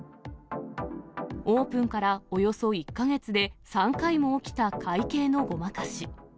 オープンからおよそ１か月で３回も起きた会計のごまかし。